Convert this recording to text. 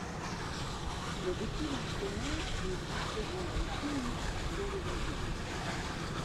Mais depuis leur sommet, on jouissait d'une vue unique sur les environs.